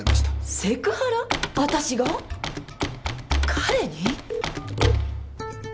彼に？